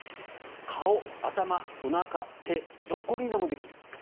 顔、頭、おなか、手どこにでもできる。